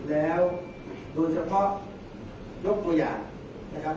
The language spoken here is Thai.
แล้วโดยเฉพาะยกตัวอย่างนะครับ